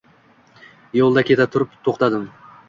Yoʻlda keta turib to’xtadim.